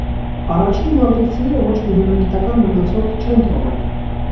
Առաջին մալդիվցիները ոչ մի հնագիտական մնացորդ չեն թողել։